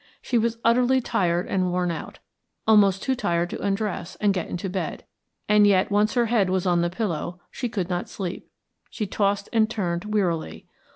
She was utterly tired and worn out, almost too tired to undress and get into bed and yet once her head was on the pillow she could not sleep; she tossed and turned wearily.